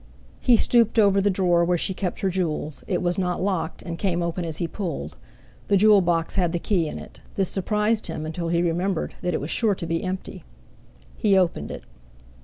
He stooped over the drawer where she kept her jewels; it was not locked, and came open as he pulled; the jewel box had the key in it. This surprised him until he remembered that it was sure to be empty. He opened it.